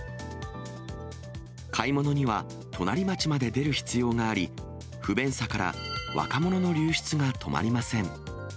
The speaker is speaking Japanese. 買い物には隣町まで出る必要があり、不便さから若者の流出が止まりません。